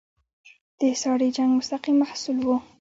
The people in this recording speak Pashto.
د ساړه جنګ مستقیم محصول وو.